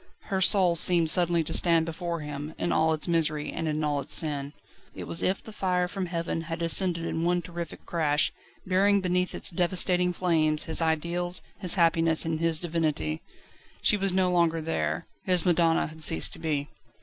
Her soul seemed suddenly to stand before him in all its misery and in all its sin. It was as if the fire from heaven had descended in one terrific crash, burying beneath its devastating flames his ideals, his happiness, and his divinity. She was no longer there. His madonna had ceased to be.